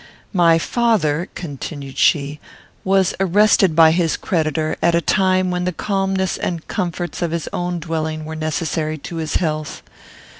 "My father," continued she, "was arrested by his creditor, at a time when the calmness and comforts of his own dwelling were necessary to his health.